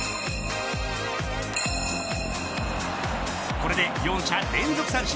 これで４者連続三振。